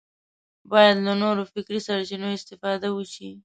باید له نورو فکري سرچینو استفاده وشي